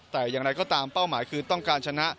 แต่อย่างไรก็ตามเป้าหมายคือต้องการชนะ